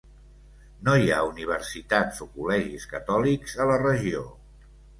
No hi ha universitats o col·legis catòlics a la regió.